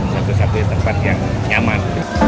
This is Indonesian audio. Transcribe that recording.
satu satunya tempat yang nyaman